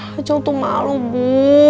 kacau tuh malu bu